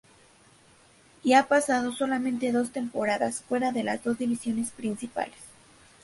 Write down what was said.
Y ha pasado solamente dos temporadas fuera de las dos divisiones principales.